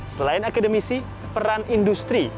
selain akademisi peran industri